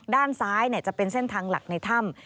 ด้านซ้ายจะเป็นเส้นทางหลักในถ้ำ